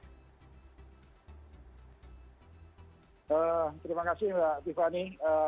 terima kasih mbak tiffany